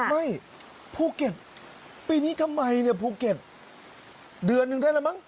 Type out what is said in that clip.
ไม่ภูเก็ตปีนี้ทำไมเนี่ยภูเก็ตเดือนนึงได้แล้วมั้ง